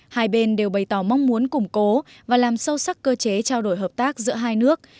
hai bên đều bày tỏ mong muốn củng cố và làm sâu sắc cơ chế trao đổi hợp tác giữa hai nước